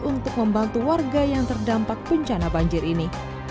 untuk membantu warga yang terdampak bencana banjir ini